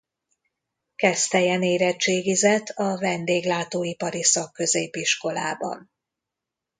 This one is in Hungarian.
Keszthelyen érettségizett a vendéglátóipari szakközépiskolában.